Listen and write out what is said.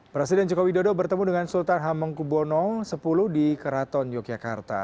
presiden jokowi dodo bertemu dengan sultan hamengkubwono x di keraton yogyakarta